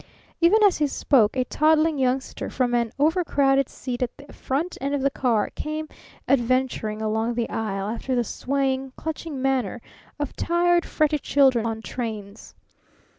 Even as he spoke, a toddling youngster from an overcrowded seat at the front end of the car came adventuring along the aisle after the swaying, clutching manner of tired, fretty children on trains.